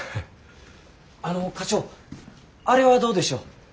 あの課長あれはどうでしょう。